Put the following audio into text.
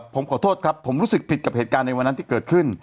ผมขอโทษครับผมรู้สึกผิดกับเหตุการณ์ในวันนั้นที่เกิดขึ้น